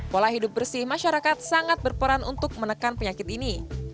pola hidup bersih masyarakat sangat berperan untuk menekan penyakit ini